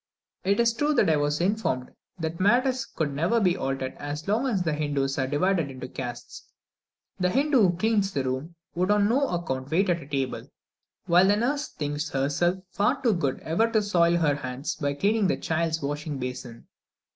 It is true that I was informed that matters could never be altered as long as the Hindoos were divided into castes. The Hindoo who cleans the room would on no account wait at table, while the nurse thinks herself far too good ever to soil her hands by cleaning the child's washing basin.